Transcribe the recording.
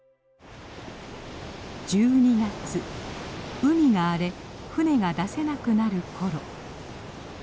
海が荒れ船が出せなくなる頃。